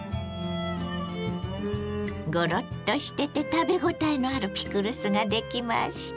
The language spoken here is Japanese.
ゴロッとしてて食べ応えのあるピクルスができました。